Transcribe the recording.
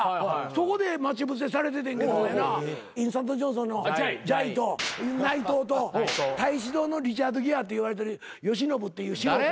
そこで待ち伏せされててんけどもやなインスタントジョンソンのじゃいと内藤と太子堂のリチャード・ギアっていわれてるヨシノブっていう素人。